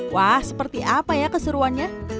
wah seperti apa ya keseruannya